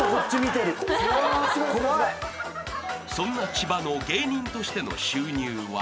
［そんな千葉の芸人としての収入は？］